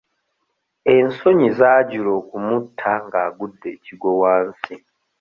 Ensonyi zaajula okumutta ng'agudde ekigwo wansi.